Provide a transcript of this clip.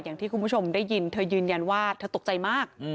อย่างที่คุณผู้ชมได้ยินเธอยืนยันว่าเธอตกใจมาก